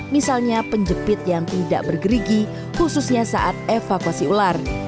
misalnya penjepit yang tidak bergerigi khususnya saat evakuasi ular